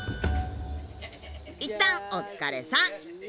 いったんお疲れさん！